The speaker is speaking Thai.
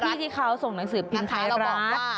ทะเบียนรถที่เขาส่งหนังสือพิมพ์ไทยรัฐ